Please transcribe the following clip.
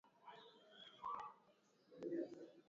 solar za mashine za kutolea pesa kukosa pesa nadhani